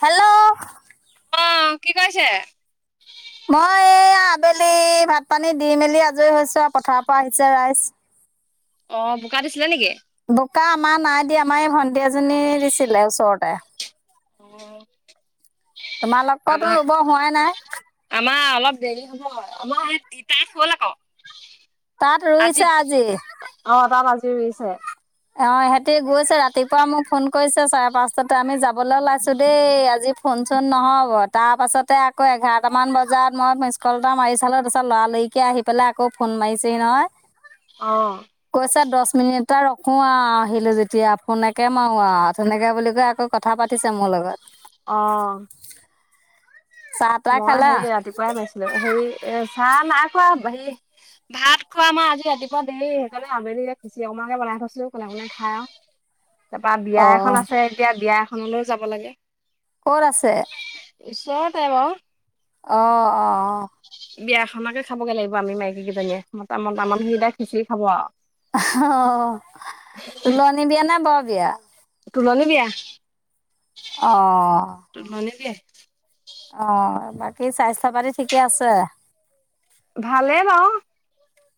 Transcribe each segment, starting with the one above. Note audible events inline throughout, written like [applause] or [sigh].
Hello. অ', কি কৈছে? মই এইয়া আবেলি ভাত পানী দি মেলি আজৰি হৈছোঁ আৰু পথাৰৰ পৰা আহিছে ৰাইজ। অ, বোকা দিছিলে নেকি? বোকা আমাৰ নাই দিয়া। আমাৰ এই ভন্টি এজনী দিছিলে ওচৰতে। অ। তোমালোকৰতো আমাৰ, ৰুব হোৱাই নাই। আমাৰ অলপ দেৰি হ'ব আমাৰ তিতাই হ'ল আকৌ। তাত আজি ৰুইছে অ তাত আজি ৰুইছে। অ সিহঁতি গৈছে ৰাতিপুৱা মোক ফোন কৰিছে চাৰে পাঁচটাতে আমি যাবলৈ ওলাইছো দেই আজি। ফোন চোন নহ'ব তাৰ পাছতে আকৌ এঘাৰটামান বজাত মই মিছকোল এটা মাৰি চালোঁ তাৰপাছত লৰালৰি। আহি পেলাই আকৌ ফোন মাৰিছেহি নহয় অ'। কৈছে দহ মিনিট এটা। শো আহ আহিলো যেতিয়া ফোনকে মাৰো আহ সেনেকে বুলি কৈ আকৌ কথা পাতিছে মোৰ লগত। অ। চাহ তাহ মই খালা সেই ৰাতিপুৱাই মাৰিছিলো হেৰি এ চাহ নাই খোৱা হেৰি। ভাত খোৱা আমাৰ আজি ৰাতিপুৱা দেৰি সেইকাৰণে আবেলি এই খিচিৰি অকমান বনাই থৈছিলোঁ কোনে কোনে খাই আৰু। তাৰপৰা বিয়া অ এখন আছে এতিয়া বিয়া এখনলৈও যাব লাগে। ক'ত আছে। ঈশ্বৰ টাইপ অ। অহ অহ অহ। বিয়াখনকে খাবগৈ লাগিব আমি মাইকী কেইজনীয়ে মতা মতামানুহ কেইটাই খিচিৰি খাব আৰু। অ তুলনী বিয়া নে বৰ বিয়া। তুলনী বিয়া। অ। তোলনি [inaudible] অহ বাকী স্বাস্থ্য পাতি ঠিকে আছে। ভালেই বাৰু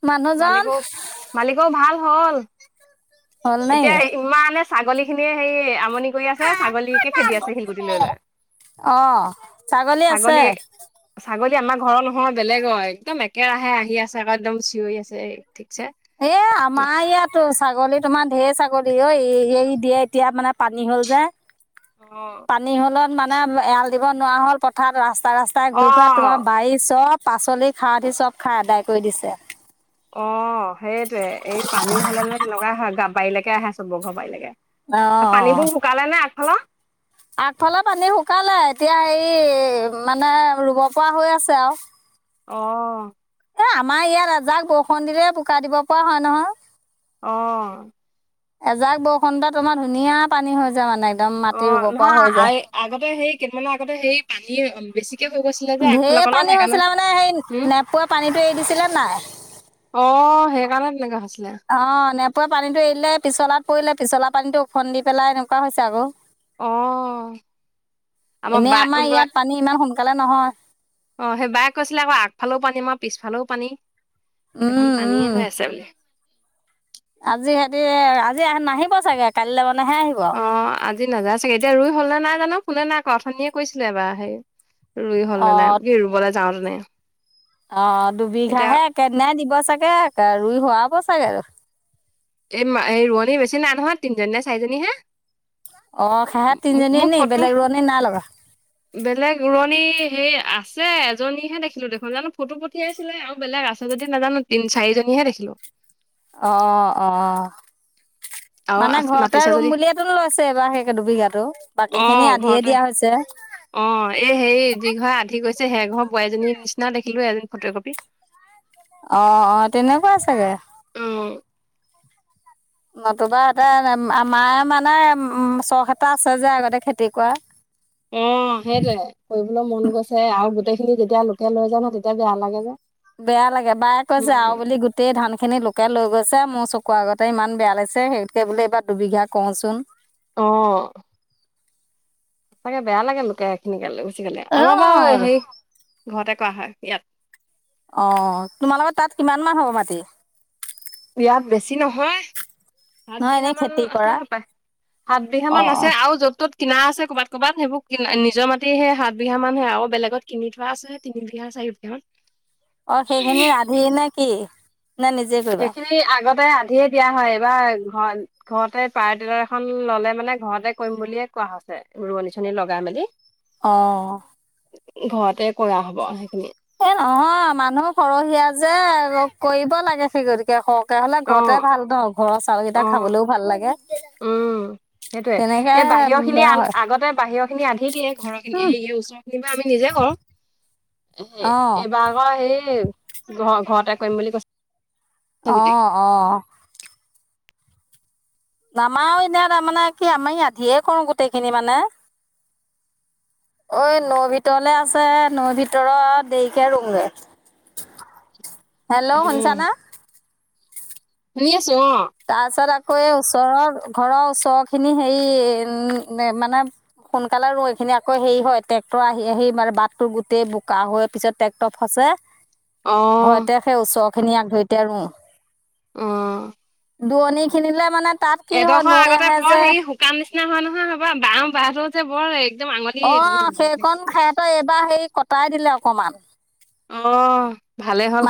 মানুহজন মালিকও মালিকও ভাল হল। হ'ল নে এতিয়া ইমানে ছাগলী খিনিয়ে হেৰি আমাৰ। আমনি কৰি আছে ছাগলীকে খেদি আছে শিলগুটি লৈ লৈ। অ ছাগলী আছে। ছাগলী আমাৰ ঘৰৰ নহয় বেলেগৰ একদম একেৰাহে আহি আছে আকৌ একদম চিঞৰি আছে ঠিক। এ আমাৰ ইয়াতো ছাগলী। তোমাৰ ঢেৰ ছাগলী ঐ [unintelligible] দিয়ে এতিয়া মানে পানী হ'ল যে। অ পানী হলত মানে এৰাল দিব নোৱাৰা হ'ল পথাৰ ৰাস্তা। ৰাস্তা ৰাস্তাই অ ঘূৰি ফুৰা তোমাৰ বাৰী চব পাচলি খাৱতি চব খাই আদায় কৰি দিছে। অ সেইটোৱে এই পানী হলে মানে তেনেকুৱাই হয় বাৰীলৈকে আহে চবৰ ঘৰ বাৰি লৈ। পানীবোৰ শুকালে নে আগফালৰ। আগফালে পানী শুকালে এতিয়া হে মানে ৰুব পৰা হৈ আছে আৰু। অহ। এ আমাৰ ইয়াত এজাক বৰষুণ দিলে বোকা দিব পৰা হয় নহয়। অহ। এজাক বৰষুণতে তোমাৰ ধুনীয়া পানী হৈ যায় মানে। একদম অ মাটি ৰুব পৰা নহয় হৈ যায় এই আগতে সেই কেইটামানে আগতে সেই পানী বেছি। ঢেৰ পানী হৈছিলে মানে সেই উম, নেপোৱা পানীটো এৰি দিছিলে নে নাই। অ সেই কাৰণে তেনেকুৱা হৈছে। অ নেপোৱা পানীটো এৰিলে পিছলাত পৰিলে পিছলা পানীটো উফন্দি পেলাই এনেকুৱা হৈছে আকৌ। অহ আমাৰ এনেই বা বা। ইয়াত পানী ইমান সোনকালে নহয় অ সেই বায়ে কৈছিলে আকৌ আগফালেও পানী মই। পিছফালেও পানী গোটেইখন উম পানীয়ে উম হৈ আছে বুলি। আজি সিহঁতি আজি নাহিব চাগে কালিলৈ। অ আজি নাযায় চাগে এতিয়া ৰুই হল নে নাই জানো ফোনে নাই কৰা অথনিয়ে কৰিছিলোঁ এবাৰ হেই। ৰুই হ'ল নে নাই কি ৰুবলৈ যাওঁ তেনে। অ দুবিঘাহে একেদিনাই দিব চাগে ৰুই হোৱাব চাগে আৰু। এই এই ৰোৱনী বেছি নাই নহয় তিনিজনী নে চাৰিজনী হে। অ খা তিনিজনী নি ফটো বেলেগ ৰোৱনী নাই লগা। বেলেগ ৰুৱনি সেই আছে। যে এজনীহে দেখিলোঁ দেখোন জানো ফটো পঠিয়াইছিলে আৰু বেলেগ আছে যদি নাজানোঁ তিনি চাৰিজনীহে দেখিলোঁ। অ অ। আৰু মানে ঘৰতে মাতিছে ৰুম যদি বুলিয়েতো লৈছে এইবাৰ সেইে দুবিঘাতো বাকী অ খিনি আধিয়ে ঘৰতে দিয়া হৈছে। অ এই হেৰি যি ঘৰ আধি গৈছে সেই ঘৰ বোৱাৰীজনীৰ নিচিনা দেখিলো এজনী ফটো কপি। অ অ তেনেকুৱাই চাগে। নতুবা এতে আমাৰ মানে উম চখ এটা আছে যে আগতে খেতি কৰা। উম সেইটোৱে কৰিবলৈ মন গৈছে আৰু গোটেই খিনি যেতিয়া লোকে লৈ যাব তেতিয়া বেয়া লাগে যে। বেয়া লাগে বায়ে কৈছে উম আৰু বুলি গোটেই ধান খিনি লোকে লৈ গৈ। ছে মোৰ চকুৰ আগতে ইমান বেয়া লাগিছে সেই বুলি এইবাৰ দুবিঘা কৰোঁচোন। অ। চাগে বেয়া লাগে লোকেখিনিকে লৈ গুচি গ'লে অ আমাৰ বাৰু হেৰি। ঘৰতে কৰা হয় ইয়াত। অ তোমালোকৰ তাত কিমান মান হ'ব মাটি। ইয়াত বেছি নহয় সাত নহয় বিঘা এনেই মান খেতি আছে কৰা হপায়, সাত বিঘা মান অ' আছে, আৰু য'ত ত'ত কিনা আছে। ক'ৰবাত ক'ৰবাত সেইবোৰ ক নিজৰ মাটি সেই সাত বিঘা মান হে আৰু বেলেগত কিনি থোৱা আছে তিন বিঘা চাৰি বিঘা মান। অ', সেইখিনি আধি নে কি? নে নিজে কৰিবা সেইখিনি আগতে আধিয়ে দিয়া হয় এইবাৰ ঘ ঘৰতে পাৱাৰটিলাৰ এখন ল'লে মানে ঘৰতে কৰিম বুলিয়ে কোৱা হৈছে ৰোৱনী চোৱনি লগাই মেলি। অ'। ঘৰতে কৰা হ'ব সেইখিনি। এই নহয় মানুহ সৰহীয়া যে কৰিব লাগে সেই গতিকে হওক। তেনেহ'লে অ ঘৰতে ভাল নহ ঘৰৰ অ চাউলকেইটা খাবলৈও ভাল লাগে। উম। সেইটোৱে তেনেকে এই বাহিৰৰ খিনি বেয়া আ হয় আগতে বাহিৰ খিনি আধি দিয়ে ঘৰখিনি উম এই ওচৰ খিনি বা আমি নিজ। কৰোঁ অ' এইবাৰ আকৌ হেই ঘ ঘৰতে কৰিম বুলি কৈছে। অ গোটেই অ। নামাও এনেই তাৰমানে কি আমি আধিয়ে কৰো গোটেই খিনি মানে অ', নৈ ভিতৰলে আছে, নৈ ভিতৰত দেৰিকে ৰুমগৈ। [unintelligible] হেল্ল' শুনছানা। ন [unintelligible] তাৰ পিছত আকৌ এই ওচৰৰ ঘৰৰ ওচৰ খিনি হেৰি মানে সোনকালে ৰুও এইখিনি আকৌ হেৰি হয় ট্ৰেক্টৰ আহি আহি মানে বাটটো গোটেই বোকা হৈ পিছত ট্ৰেক্টৰ ফচে অ অ ভয়তে সেই ওচৰ খিনি আগ ধৰিতে ৰুও। উম। দূৰণী খিনিলে এডোখৰ আগতে বৰ হেৰি শুকান নিচিনা হয় নহয়ব বওঁ বাহ যে বৰ একদম অ', আঙুলি সেইকণ সিহতৰ এইবাৰ হেৰি কটাই দিলে অকমান। অ', ভালেই হ'ল।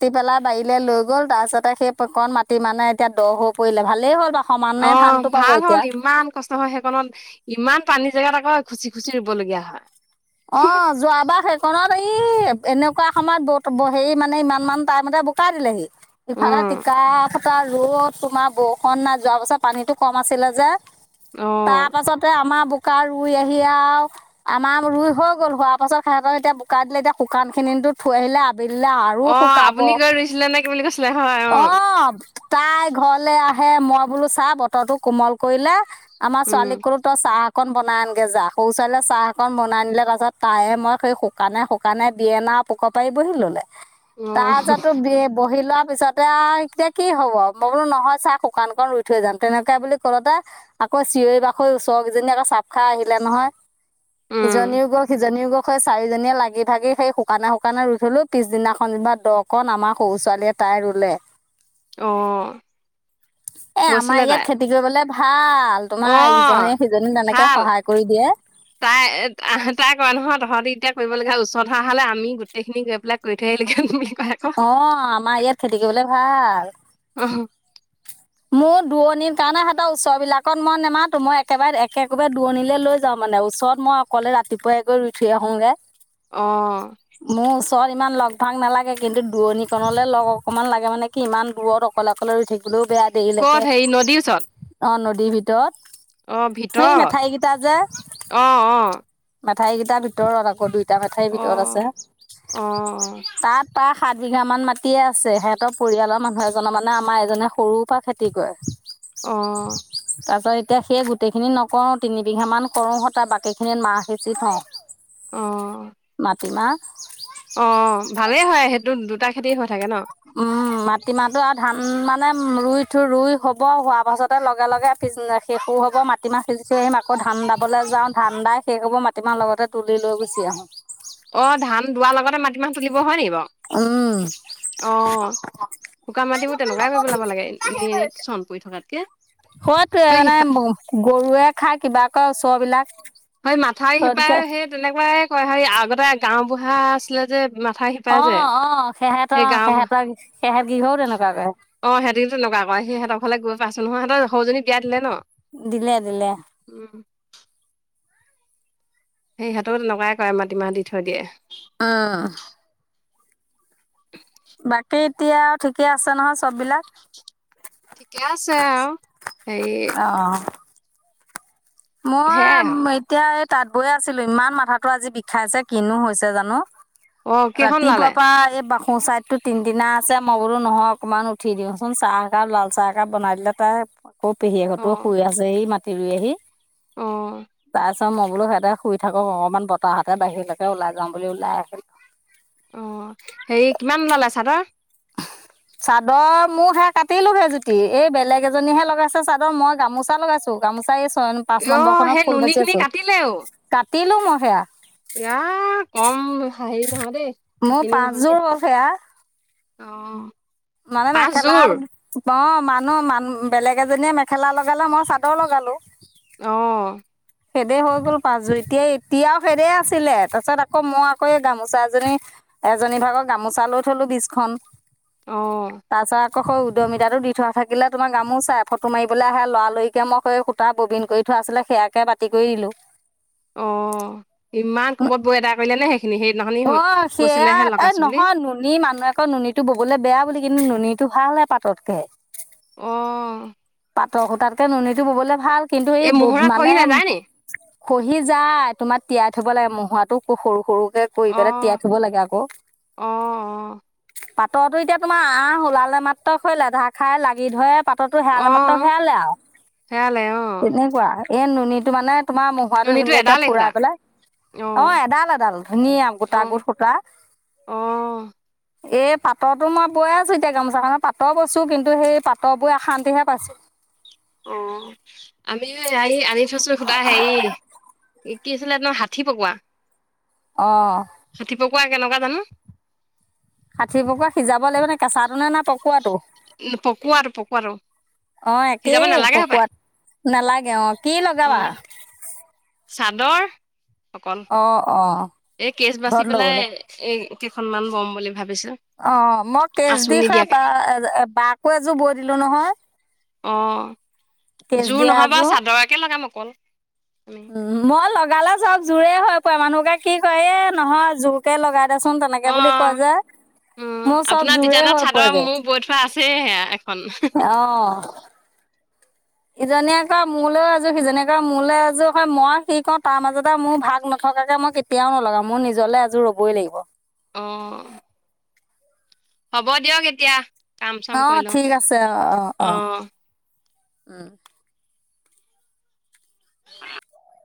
কাটি পেলাই বাৰীলৈ লৈ গ'ল তাৰপিছতে সেইকণ মাটি মানে এতিয়া দ' হৈ পৰিলে ভালেই হ'ল সমানে অ', ধানটো পাব ভাল হ'ল এতিয়া ইমান কষ্ট হয় সেইকণত ইমান পানীৰ জেগাত আকৌ খুচি খুচি ৰুবলগীয়া হয়। অ', যোৱাবাৰ সেইকনত ই এনে সময়ত ব সে মানে ইমান মান টাইমতে বোকা দিলেহি, ইফালে অ', টিকাফটা ৰ'দ তোমাৰ বৰষুণ নাই যোৱাবছৰত পানীটো কম আছিলে যে তাৰ অ', পাছতে আমাৰ বোকা ৰুই আহি আৰু আমাৰ ৰুই হৈ গ'ল হোৱাৰ পাছত সিহঁত এতিয়া বোকা দিলে এতিয়া শুকানখিনিতো থৈ আহিলে াবিলে আৰু অ', শুকাব আপুনি অ', গৈ ৰুইছিলে নে কি বুলি কৈছিলে হয় অ', তাই ঘৰলে আহ হে মই বোলো চাহ বতৰটো কোমল কৰিলে আমাৰ উম, ছোৱালীক ক'লো তই চাহ অকন বনাই আনগে যা সৰু ছোৱালীয়ে চাহ অকন বনাইনিলে তাৰপাছত তায়ে মই সেই শুকানে শুকানে বিয়েনা পোক পাৰি বহি ললে অ', তাৰ যাতো বি বহি লোৱা তাৰপিছতে আৰু এতিয়া কি হব মই বোলো নহয় চাহ শুকান ক ৰুই থৈ যাম তেনেকে বুলি কলোতে আকৌ চিঞৰি বাখৰিৰ ওচৰ ইজনী আকৌ চাপ খাই আহিলে নহয় উম, ইজনীও জনী গক সেই চাৰিজনীয়ে লাগি ভাগি সেই শুকানে শুকানে ই থলো পিছদিনাখন যেনিবা দকন আমাৰ সৰু ছোৱালীয়ে তাই ৰুলে, অ', এ আমাৰ কৈছিলে ইয়াত তাই খেতি কৰিবলে ভাল, তোমাৰ অ', ইজীয়ে সিজনী তেনেকে ভাল সহায় কৰি দিয়ে। এ কৰা নহয় তহঁতি এতিয়া কৰিবলগীয়া হ ওচৰত হোৱা হ'লে আমি গোটেইখিনি গৈ পেলাই কৰি থৈ আহিলোগে অ', আমাৰ ইয়াত খেতি কৰিবলে ভাল। অ', মোৰ দুৰণিৰ কাৰণে সিহঁতৰ ওচৰ বিলাকত মই নেমাতো, মই একেবাৰে একে একেবাৰে দূৰণিলৈ লৈ যাওঁ মানে। মানে ওচৰত মই অকলে ৰাতিপুৱাই গৈ ৰুই থৈ আহোঁগৈ। অ'। ওৰত ইমান লগ ভাং নালাগে, কিন্তু দূৰণিকণলে লগ অকণমান লাগে মানে কি ইমান দূৰত অকলে অকলে ৰুই থাকিবলৈও বেয়া দেৰিলৈকে ক'ত হেৰি নদীৰ ওচৰত অ', নদীৰ ভিতৰত অ', সেৰি ভিতৰত মেঠাইকেইটা যে অ', অ', মেঠাইকেইটাৰ ভিতৰত আকৌ দুইটা মেঠাইৰ ভিতৰত আছে অ', অ'। তাৰ ত সাত বিঘা মান মাটিয়ে আছে সিহঁতৰ পৰিয়ালৰ মানুহ এজনৰ মানে আমাৰ এজনে সৰুৰ পৰা খেতি কৰে আহ তাৰপিছত এতিয়া সেই গোটেইখিনি নকৰো তিনি বিঘা মান কৰো সত বাকী খিনিত মাহ সিঁচি থওঁ অ'। প্ৰতিতিমাহ [unintelligible] অ', ভালে হয়, সেইটো দুটা খেতি হয়। উম মাটিমাহটো আৰু ধান মানে ৰুই থৈ ৰুই হ'ব হোৱাৰ পাছতে লগে লগে শেষো হ'ব মাটিমাহ সিজ গুচি আহিম আকৌ ধান দাবলৈ যাও ধান দাই শেই কবৰ মাটিমাহ লগতে তুলি লৈ গুচি আহো অ ধান দোৱাৰ লগতে মাটিমাহ তুলিব হয় নিকি উম বাৰু অ শুকান মাটিবোৰ তেনেকুৱাই কৰি পেলাব লাগে এনেই এনেই চন পৰি থকাতকে হয়তে সেই মানে সিফা গৰুৱে খাই ক চবিলাক হয় মাথাউৰি শিপাই সেই তেনেকুৱাই কয় হে আগতে গাও বুঢ়া আছিলে যে মাথাউৰি সিপাৰে অ যে অ সেহত অ সেই গাঁওবুঢ়া সেহঁতৰ সেহত গৃহৰ তেনেকুৱাকেে অঁ হেইটি তেনেকুৱা কৰে ত সিহঁত ঘৰলে গৈ পাইচোনহয় সিহঁতৰ সৰু জনী বিয়া দিলে ন? দিলে দিলে [unintelligible] সেই সহঁতো তেনেকুৱাইে কৰে মাটিমাহ দি থৈ দিয়ে আহ উ বাকী এতিয়া আৰু ঠিকে আছে নহয় চব বিলাক ঠিকে আছে অ এই অ। সেয়াই আৰু মই এতিয়া তাত বৈয়ে আছিলো ইমান মাথাো আজি বিষাইছে কিনো হৈছে জানো অ', কেইখন ওলালে? ৰাতিপুৱা পা এই সোচাইডতো তিনদিনা আছে মই বোলো নহয় অকণমান উঠি দিওঁচোন চাহ একাপ লাল চাহ একাপ বনাই দিলে তাই কৌ পেহী এ ঘতও শুই আছেহি মাটি ৰুই আহি আহ পাৰত মই বো সহঁতে শই থাকক অকণমান বতাহতে বাহিৰলৈকে ওলাই যাওঁ বুলি ওলাই আহিল আহ হেৰি কিমান ললাই চাদৰ চাদৰ মোকহে কাটিলো হেজুতি এই বেলেগ এজনীহে লগাইছে চাদৰ মই গামোচা লগাইছো গামোচা এই ছ পাঁচ অ নম্বৰ খত সেই ফুল নুনী বাজি খিনি আছো কাটিলো মই সেয়া ইয়াৰ কম হেৰি নহয় দেই মোৰ শিপিনী নহয় দেই পাঁচযোৰ সেয়া অ মানে মেখেলা পাঁচযোৰ অ মানুহ মান বেলেগ এজনীয়ে মেখেলা লগালে মই চাদৰ লগালো আহ খেদে হৈ গ'ল পাঁচযোৰ এতিয়া এতিয়াও খেদে আছিলে তাৰপিছত আকৌ মই আকৌ এই গামোচা এজনী এজনী ভাগৰ গামোচা লৈ থলো বীজখন অহ ক খ উদয়মিতাৰটো দি থাকিলে তোমাৰ গামোচাই ফটো মাৰিবলে আহে লৰাৰিকে মই সূতা ববিন কৰি থ থোৱা আছিলে সেয়াকে বাতি কৰি দিলো অ ইমান কোবত বৈ এদাই কৰিলে নে সেইখিনি সেই অ সেয়া এ নহয় নুনী মানুহ আকৌ নুনীটো ববলে বেয়া বুলি কিন্তু নুনীটো ভালে পাততকে অহ পাতৰ সূতাতকে নুনীটো ববলে ভাল। কিন্তু এই মোহৰা মানে খহি নাযায় নি খহি যায় তোমাৰ তিয়াই থব লাগে মোহোৱাটো সৰু সৰু কৰি অ পেলাই তিয়াই থব লাগে আক অ অ পাত তহঁতৰটো এতিয়া তোমাৰ আহ ওলালে মাত্ৰ হৈ লেধা খাই লাগি ধৰে পাতৰতো হেৰা মাত্ৰ [unintelligible] তোমাৰ অ সেয়ালে অ মহৰাটো নুনীটো ধুনীয়াকে এডালেই সুধা ফুৰাই পেলাই অ এডাল এডাল ধুনীয়া অ গোটা গোট সুতা অ এই পাতৰতো মই বৈ আছো এতিয়া গামোছাখন পাতৰ বৈছো কিন্তু সেই পাটৰ বৈ অশান্তি পাইছো অ আমি হেৰি আনি থৈছো সুধা হেৰি কি আছিলে একদম হাঠী পকোৱা অহ ষাঠি পকোৱা কেনেকুৱা জানো? ষাঠি পকুৱা সিজাব লাগিব নে কেঁচাটো নে না পকোৱাটো? উম পকোৱাটো আৰু পকোৱাটো। অ সিজাব একেই নালাগে হপায় পকোৱাত নালাগে অ। কি অ লগাবা? চাদৰ অকল অ অ এই কেচ বাচি ঘৰত পেলাই লবলৈ এ কেইখনমান লম বুলি ভাবিছো অ', মই কেচ দি আচুনি খোৱা দিয়াকে বা-বাকো এযোৰ বৈ দিলো নহয়। অ', কেচ জোৰ দিয়া নহয় বাৰ এযোৰ চাদৰকে লগাম অকল আমি উম, মই লগালে চব জোৰে হৈ পৰে মানুহোকে কি কৰে এ নহয় জোৰকে লগাই দেচোন অ তেনেকে বুলি কয় যে উম মোৰ চব আপোনাৰ জোৰে ডিজাইনত হৈ চাদৰ পৰেগৈ। মোৰ [unintelligible] অ'। [inaudible] ইজনীয়ে কয় মোলৈ এযোৰ, সিজনীয়ে কয় মোলৈ এযোৰ হয় [unintelligible] নথকাকে মই কেতিয়াও নলগাও মোৰ নিজলে এজোৰ ৰবই লাগিব। উম। হ'ব দিয়ক এতিয়া। কাম চাম কৰি অ', লওঁ ঠিক আছে অ', অ', অ', উম। [unintelligible]